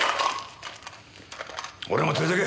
俺も連れてけ！